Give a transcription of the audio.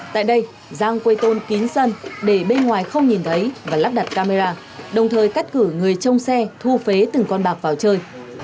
tại đây giang quây tôn kín sân để bên ngoài không nhìn thấy và lắp đặt camera đồng thời cắt cử người trông xe thu phế từng con bạc vào chơi